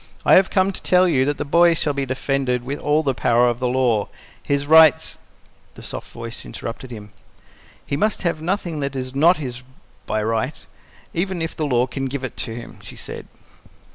I have come to tell you that the boy shall be defended with all the power of the law. His rights " The soft voice interrupted him. "He must have nothing that is NOT his by right, even if the law can give it to him," she said.